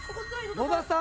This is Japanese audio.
野田さん。